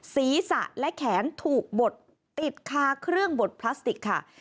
ศีรษะและแขนถูกบดติดคาเครื่องบดพลาสติกค่ะ